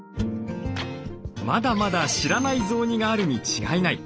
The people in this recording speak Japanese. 「まだまだ知らない雑煮があるに違いない」。